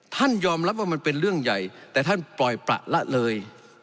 ท่านยอมรับว่ามันเป็นเรื่องใหญ่แต่ท่านปล่อยประละเลย